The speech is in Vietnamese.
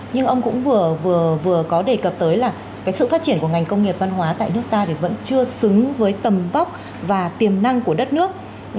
nhưng ông cũng vừa có đề cập tới là cái sự phát triển của ngành công nghiệp văn hóa tại nước ta thì vẫn chưa xứng với tầm vóc và tiềm năng của đất nước